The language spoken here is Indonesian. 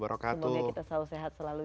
semoga kita selalu sehat selalu